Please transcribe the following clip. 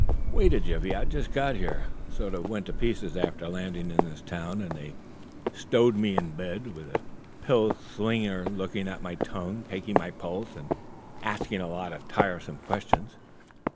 "Wait a jiffy. I've just got here. Sort of went to pieces after landing in this town, and they stowed me in bed, with a pill slinger looking at my tongue, taking my pulse and asking a lot of tiresome questions.